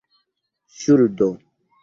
ŝuldo